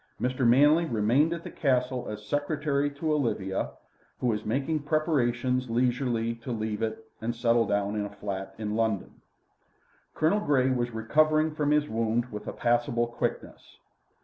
Mr. Manley remained at the Castle as secretary to Olivia, who was making preparations leisurely to leave it and settle down in a flat in London. Colonel Grey was recovering from his wound with a passable quickness.